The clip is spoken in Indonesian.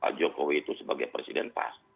pak jokowi itu sebagai presiden pas